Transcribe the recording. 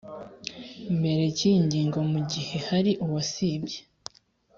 mbere cy iyi ngingo mu gihe hari uwasibye